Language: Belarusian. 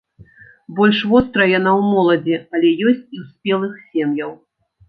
Больш вострая яна ў моладзі, але ёсць і ў спелых сем'яў.